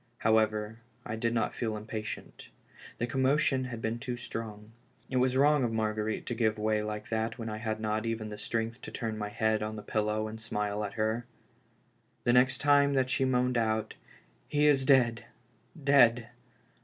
How ever, I did not feel impatient; the commotion had been too strong. It was wrong of Marguerite to give way like that when I had not even the strength to turn my THE LAST HOPE. 247 head on the pillow and smile at her. The next time that she moaned out, "He is dead! dead!"